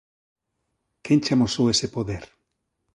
Quen che amosou ese poder?